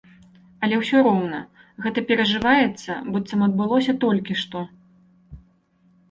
Але ўсё роўна, гэта перажываецца, быццам адбылося толькі што.